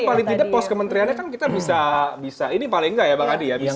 tapi paling tidak pos kementeriannya kan kita bisa ini paling nggak ya bang adi ya